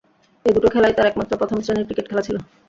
এ দুটো খেলাই তার একমাত্র প্রথম-শ্রেণীর ক্রিকেট খেলা ছিল।